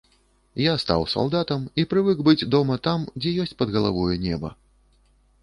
Я стаў салдатам і прывык быць дома там, дзе ёсць пад галавою неба.